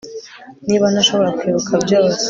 niba ntashobora kwibuka byose